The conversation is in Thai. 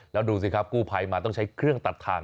แล้วดูสิครับกู้ภัยมาต้องใช้เครื่องตัดทาง